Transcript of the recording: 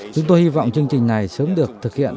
chúng tôi hy vọng chương trình này sớm được thực hiện